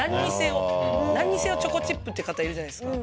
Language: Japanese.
何にせよチョコチップって方いらっしゃるじゃないですか。